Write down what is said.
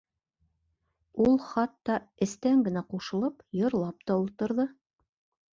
Ул хатта, эстән генә ҡушылып, йырлап та ултырҙы.